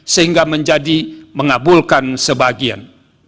sehingga menjadi mengabulkan sebagian